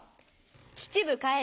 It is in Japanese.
「秩父帰る」。